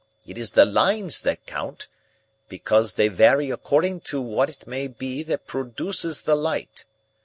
It is the lines that count, because they vary according to what it may be that produces the light.